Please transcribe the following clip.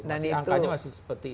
angkanya masih seperti itu